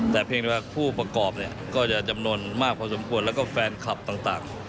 แต่เพียงแต่ว่าผู้ประกอบเนี่ยก็จะจำนวนมากพอสมควรแล้วก็แฟนคลับต่าง